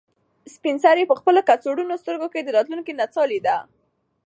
سپین سرې په خپل کڅوړنو سترګو کې د راتلونکي نڅا لیده.